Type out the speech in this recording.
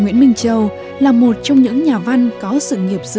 nguyễn minh châu là một trong những nhà văn có sự nghiệp dữ liệu